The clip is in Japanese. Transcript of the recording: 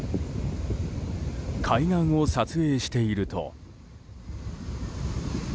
海岸を撮影していると。